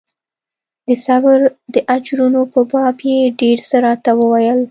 د صبر د اجرونو په باب يې ډېر څه راته وويل.